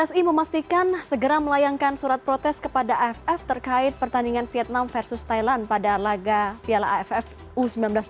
pssi memastikan segera melayangkan surat protes kepada aff terkait pertandingan vietnam vs thailand pada laga piala aff u sembilan belas dua ribu dua puluh dua